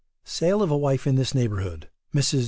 SALE OF A WIFE IN THIS NEIGHBOURHOOD MRS.